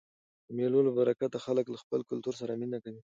د مېلو له برکته خلک له خپل کلتور سره مینه کوي.